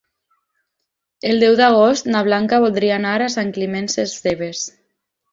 El deu d'agost na Blanca voldria anar a Sant Climent Sescebes.